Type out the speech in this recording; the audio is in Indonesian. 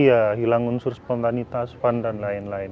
iya hilang unsur spontanitas pan dan lain lain